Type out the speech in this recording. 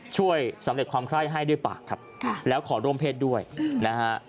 ช่วยสำเร็จความคล่ายให้ด้วยปากครับครับแล้วขอร่วมเทศด้วยอืมนะฮะ